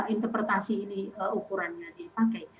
interpretasi ini ukurannya dipakai